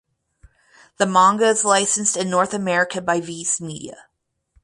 The manga is licensed in North America by Viz Media.